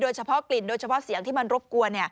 เฉพาะกลิ่นโดยเฉพาะเสียงที่มันรบกวน